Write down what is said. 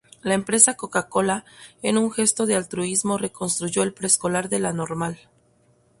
La empresa Coca-Cola, en un gesto de altruismo reconstruyó el preescolar de la Normal.